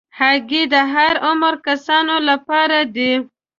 هګۍ د هر عمر کسانو لپاره ده.